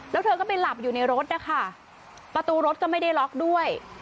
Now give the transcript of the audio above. แล้วเธอก็ไปหลับอยู่ในรถนะคะประตูรถก็ไม่ได้ล็อกด้วย